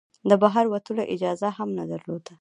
د بهر وتلو اجازه هم نه درلوده.